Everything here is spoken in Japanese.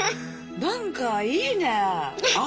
なんかいいねえ！